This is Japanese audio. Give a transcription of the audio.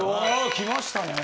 きましたね。